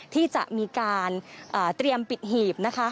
ที่จะมีการเตรียมปิดหีบนะคะ